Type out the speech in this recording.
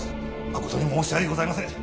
誠に申し訳ございません。